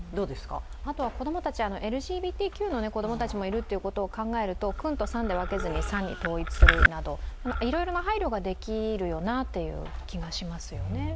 あとは子供たち、ＬＧＢＴＱの子供たちもいるということを考えると君とさんで分けずに、さんに統一するなどいろいろな配慮ができるよなという気がしますよね。